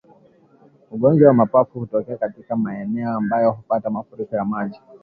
Ugonjwa wa mapafu hutokea katika maeneo ambayo hupata mafuriko ya maji